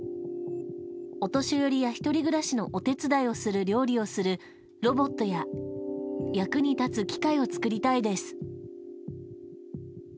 お年寄りや１人暮らしのお手伝いをする、料理をするロボットや役に立つ機械を作りたいです。